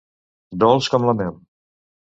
Dolç com la mel.